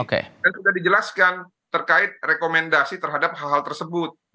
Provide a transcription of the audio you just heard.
dan sudah dijelaskan terkait rekomendasi terhadap hal hal tersebut